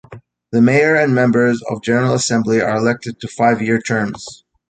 The mayor and members of General Assembly are elected to five-year terms.